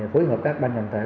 phối hợp các ban nhận tài